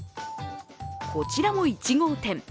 こちらも１号店。